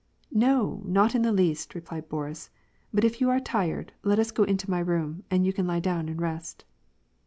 " No, not in the least," replied Boris. " But if you are tired, let us go into my room, and you can lie down and rest."